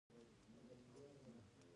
د پیتالوژي علم د ناروغیو تاریخ ساتي.